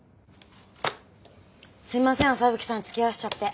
すいません麻吹さんつきあわせちゃって。